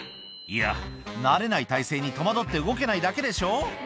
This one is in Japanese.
いや慣れない体勢に戸惑って動けないだけでしょ